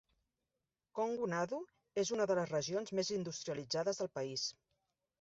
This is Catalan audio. Kongu Nadu és una de les regions més industrialitzades del país.